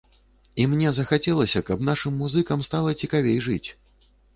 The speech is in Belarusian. І мне захацелася, каб нашым музыкам стала цікавей жыць.